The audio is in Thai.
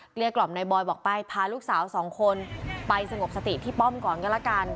เรียกกล่อมนายบอยบอกไปพาลูกสาวสองคนไปสงบสติที่ป้อมก่อนก็แล้วกัน